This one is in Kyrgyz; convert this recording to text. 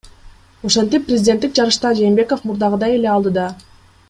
Ошентип, президенттик жарышта Жээнбеков мурдагыдай эле алдыда.